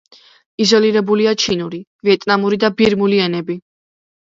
იზოლირებულია ჩინური, ვიეტნამური და ბირმული ენები.